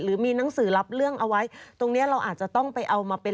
มีหนังสือรับเรื่องเอาไว้ตรงเนี้ยเราอาจจะต้องไปเอามาเป็น